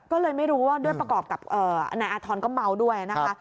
ก็เลยไม่รู้ว่าด้วยประกอบกับนายอาธรณ์ก็เมาด้วยนะคะ